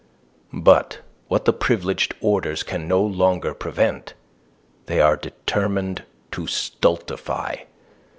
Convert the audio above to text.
But what the privileged orders can no longer prevent, they are determined to stultify.